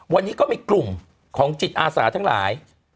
วันนี้ก็มีกลุ่มของจิตอาสาทั้งหลาย